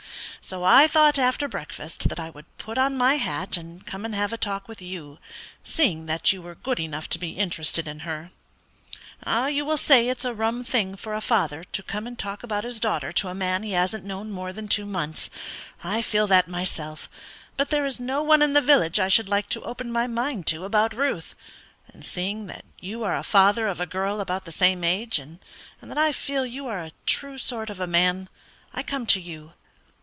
So I thought after breakfast that I would put on my hat and come and have a talk with you, seeing that you were good enough to be interested in her. You will say it's a rum thing for a father to come and talk about his daughter to a man he hasn't known more than two months. I feel that myself, but there is no one in the village I should like to open my mind to about Ruth, and seeing that you are father of a girl about the same age, and that I feel you are a true sort of a man, I come to you.